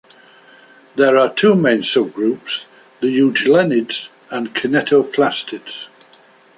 There are two main subgroups, the euglenids and kinetoplastids.